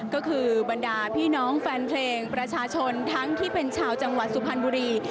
ก็คือบรรดาพี่น้องแฟนเพลงประชาชนทั้งที่เป็นชาวจังหวัดสุพรรณบุรี